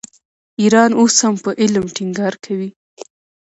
ایران اوس هم په علم ټینګار کوي.